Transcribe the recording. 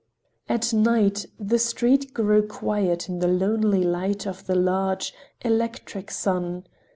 At night the street grew quiet in the lonely light of the large, electric sun.